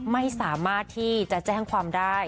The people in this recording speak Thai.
ไม่สามารถที่จะแจ้งความได้